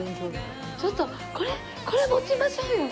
ちょっとこれこれ持ちましょうよ。